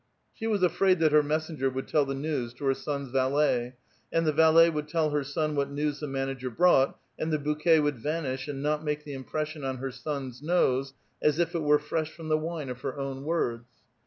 She was afraid (5>CiAe that her messenger would tell the news to her son's valet, and the valet would tell her son what news the manager brought, and the bouquet would vanish, and not make the impression on her son's nose as if it were fresh from the wine of her own words